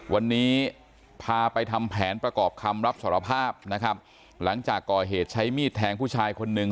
วันนี้พาไปทำแผนประกอบคำรับสารภาพนะครับหลังจากก่อเหตุใช้มีดแทงผู้ชายคนหนึ่ง